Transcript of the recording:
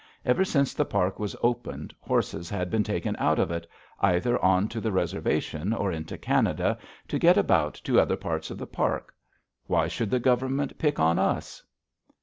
Ever since the Park was opened, horses had been taken out of it, either on to the Reservation or into Canada, to get about to other parts of the Park. Why should the Government pick on us?